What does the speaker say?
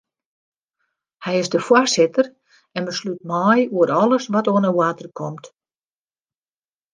Hy is de foarsitter en beslút mei oer alles wat oan de oarder komt.